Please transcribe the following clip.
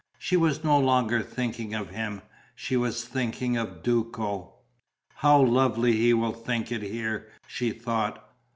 She was no longer thinking of him; she was thinking of Duco: "How lovely he will think it here!" she thought.